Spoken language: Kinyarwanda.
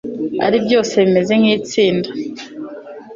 ari byose bimeze nkitsinda